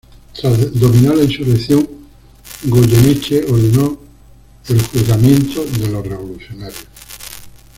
Tras dominar la insurrección, Goyeneche ordenó el juzgamiento de los revolucionarios.